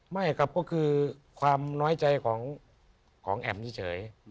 ไม่ครับก็คือความน้อยใจของแอ๋มเฉย